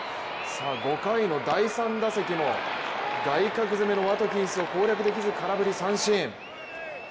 ５回の第３打席も外角攻めのワトキンスを攻略できず空振り三振。